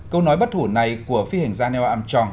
câu nói bất thủ này của phi hình gia neo amchong